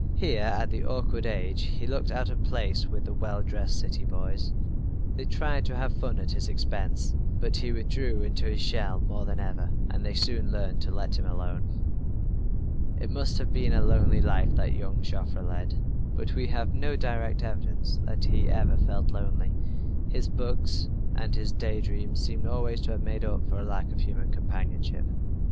Here at the awkward age he looked out of place with the well dressed city boys. They tried to have fun at his expense, but he withdrew into his shell more than ever, and they soon learned to let him alone. It must have been a lonely life that young Joffre led but we have no direct evidence that he ever felt lonely. His books and his day dreams seem always to have made up for a lack of human companionship.